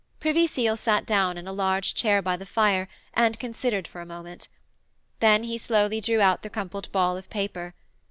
Privy Seal sat down in a large chair by the fire and considered for a moment. Then he slowly drew out the crumpled ball of paper.